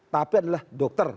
tapi adalah dokter